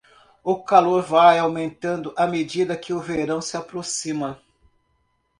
O calor vai aumentando à medida que o verão se aproxima.